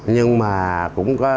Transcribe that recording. nhưng mà cũng có